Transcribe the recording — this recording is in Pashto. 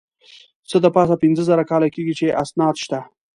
څه د پاسه پینځه زره کاله کېږي چې اسناد شته.